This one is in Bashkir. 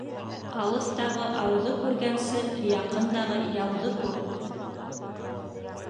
Алыҫтағы ауҙы күргәнсе, яҡындағы яуҙы күр.